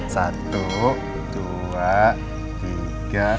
satu dua tiga